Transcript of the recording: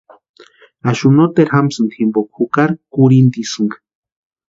Axuni noteru jamsïnti jimpoka jukari kurhintisïnka.